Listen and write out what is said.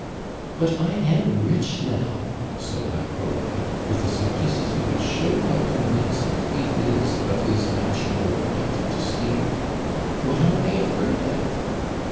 "But I am rich now," said La Pouraille, with a simplicity which showed how convinced a thief is of his natural right to steal. "What are they afraid of?"